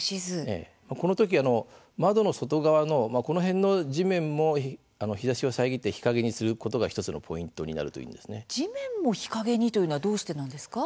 このとき窓の外側のこの辺の地面も日ざしを遮って日陰にすることが１つのポイントになる地面も日陰にというのはどうしてなんですか？